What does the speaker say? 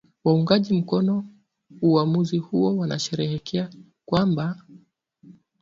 Waungaji mkono uwamuzi huo wanasherehekea kwamba